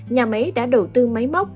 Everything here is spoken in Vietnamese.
nhà máy đã đầu tư máy móc